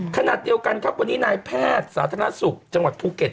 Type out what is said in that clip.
ขณะเดียวกันครับวันนี้นายแพทย์สาธารณสุขจังหวัดภูเก็ต